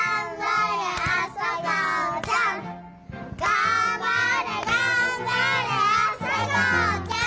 がんばれがんばれあさがおちゃん！